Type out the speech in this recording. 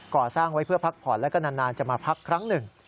ก่อสร้างไว้เพื่อพักผ่อนแล้วก็นานจะมาพักครั้งหนึ่ง